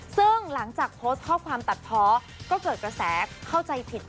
ซึ่งหลังจากโพสต์ข้อความตัดเพาะก็เกิดกระแสเข้าใจผิด